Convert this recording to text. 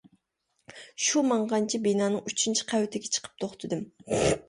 شۇ ماڭغانچە بىنانىڭ ئۈچىنچى قەۋىتىگە چىقىپ توختىدىم.